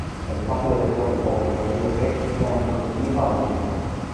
El paso del río Ripoll y el río Sec crean un microclima húmedo.